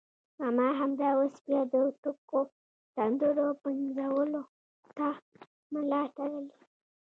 ماما همدا اوس بیا د ټوکو سندرو پنځولو ته ملا تړلې.